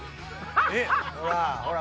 ほら！